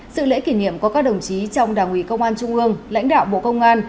sự lễ kỷ niệm có các đồng chí trong đảng ủy công an trung ương lãnh đạo bộ công an